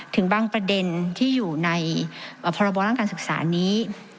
ถึงบางประเด็นที่อยู่ในพรบด้านการศึกษานี้